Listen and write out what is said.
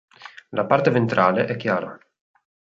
La parte ventrale è chiara.